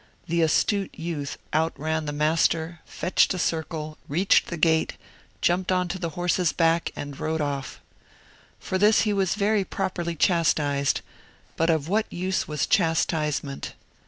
The astute youth outran the master, fetched a circle, reached the gate, jumped on to the horse's back and rode off. For this he was very properly chastised; but, of what use was chastisement?